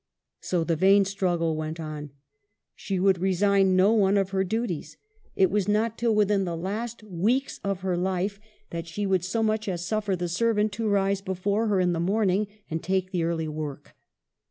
So the vain struggle went on. She would resign no one of her duties, and it was not till 302 EMILY BRONTE. within the last weeks of her life that she would so much as suffer the servant to rise before her in the morning and take the early work.